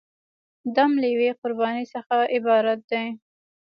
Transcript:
دم له یوې قربانۍ څخه عبارت دی.